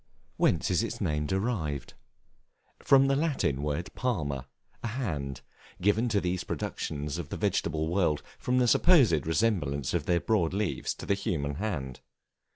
Whence is its name derived? From the Latin word palma, a hand, given to these productions of the vegetable world, from the supposed resemblance of their broad leaves to the human hand.